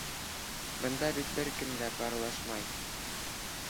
Бында бит бер кем дә парлашмай!